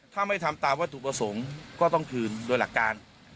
ถ้าไม่ทำตามวัตถุประสงค์ก็ต้องคืนโดยหลักการ